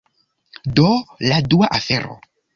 Do, la dua afero